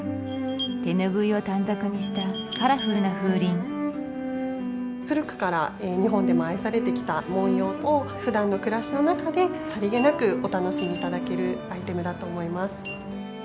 手ぬぐいを短冊にしたカラフルな風鈴古くから日本でも愛されてきた文様をふだんの暮らしの中でさりげなくお楽しみいただけるアイテムだと思います